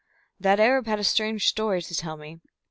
"That Arab had a strange story to tell me.